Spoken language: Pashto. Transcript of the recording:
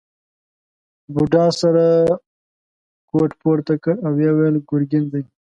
بوډا سره کوټ پورته کړ او وویل ګرګین دی.